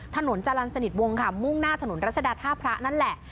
ถนนจรรย์สนิทวงค่ะมุ่งหน้าถนนรัชดาท่าพระนั่นแหละ